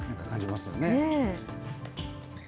感じますよね。